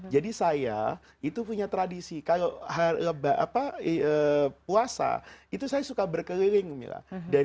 jadi saya itu punya tradisi kalau puasa itu saya suka berkeliling mila